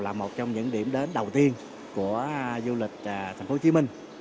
là một trong những điểm đến đầu tiên của du lịch tp hcm